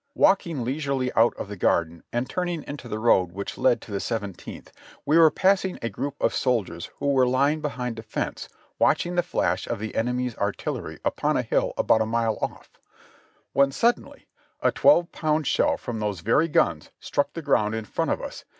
Walking leisurely out of the garden and turning into the road which led to the Seventeenth, we were passing a group of soldiers who were lying behind a fence watching the flash of the enemy's artillery upon a hill about a mile off, when suddenly a twelve pound shell from those very guns struck the ground in front of us.